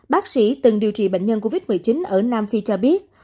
bác sĩ từng điều trị bệnh nhân covid một mươi chín ở nam phi cho biết